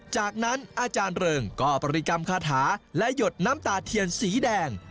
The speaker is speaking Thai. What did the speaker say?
จากนั้นอาจารย์เริงก็ปริกรรมคาถาและหยดน้ำตาเทียนสีแดง